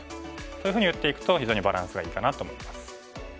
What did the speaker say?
そういうふうに打っていくと非常にバランスがいいかなと思います。